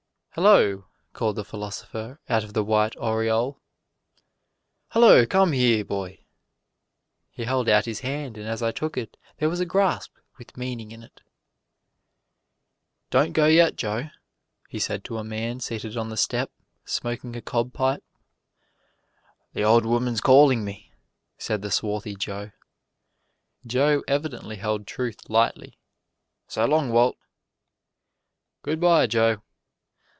"Hello!" called the philosopher, out of the white aureole. "Hello! come here, boy!" He held out his hand and as I took it there was a grasp with meaning in it. "Don't go yet, Joe," he said to a man seated on the step smoking a cob pipe. "The old woman's calling me," said the swarthy Joe. Joe evidently held truth lightly. "So long, Walt!" "Good by, Joe.